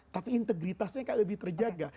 tapi integritasnya kan lebih terjaga